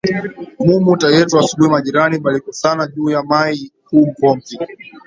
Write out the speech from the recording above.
Mu muta yetu asubui majirani balikosana juya mayi ku pompi